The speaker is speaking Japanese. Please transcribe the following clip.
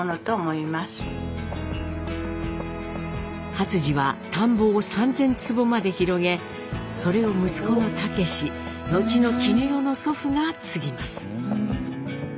初次は田んぼを３，０００坪まで広げそれを息子の武後の絹代の祖父が継ぎます。